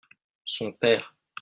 son père.